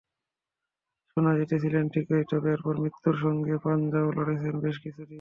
সোনা জিতেছিলেন ঠিকই, তবে এরপর মৃত্যুর সঙ্গে পাঞ্জাও লড়েছেন বেশ কিছুদিন।